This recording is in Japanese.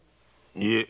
いえ。